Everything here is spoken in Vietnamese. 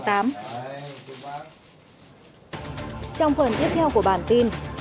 trong phần tiếp theo của bản tin